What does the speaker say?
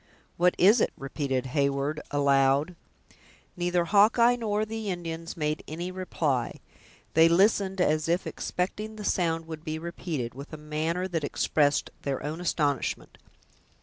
"What is it?" repeated Hewyard aloud. Neither Hawkeye nor the Indians made any reply. They listened, as if expecting the sound would be repeated, with a manner that expressed their own astonishment.